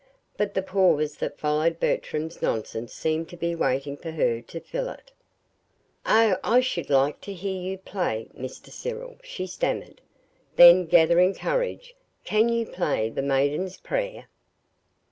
But the pause that followed Bertram's nonsense seemed to be waiting for her to fill it. "Oh, I should like to hear you play, Mr. Cyril," she stammered. Then, gathering courage. "CAN you play 'The Maiden's Prayer'?"